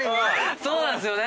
そうなんすよね。